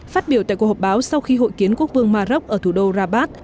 phát biểu tại cuộc họp báo sau khi hội kiến quốc vương mà rốc ở thủ đô rabat